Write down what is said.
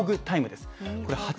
タイムです。